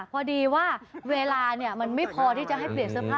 พอดีว่าเวลามันไม่พอที่จะให้เปลี่ยนเสื้อผ้า